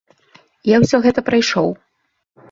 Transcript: Я ўсё гэта прайшоў.